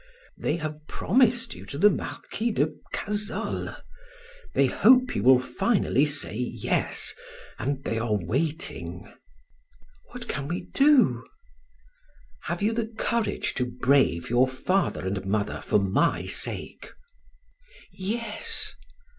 They have promised you to the Marquis de Cazolles; they hope you will finally say 'yes' and they are waiting." "What can we do?" "Have you the courage to brave your father and mother for my sake?" "Yes."